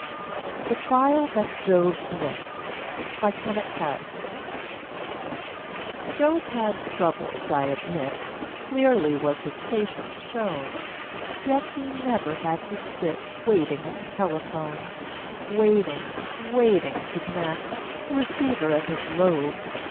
THE TRIAL THAT JOB MISSED BY KENNETT HARRIS Job had troubles, I admit; Clearly was his patience shown, Yet he never had to sit Waiting at the telephone Waiting, waiting to connect, The receiver at his lobe.